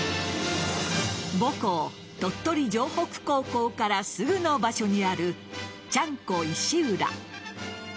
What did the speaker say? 母校・鳥取城北高校からすぐの場所にあるちゃんこ石浦。